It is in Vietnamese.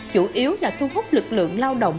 chủ yếu là thu hút lực lượng lao động